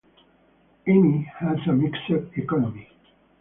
Ami has a mixed economy.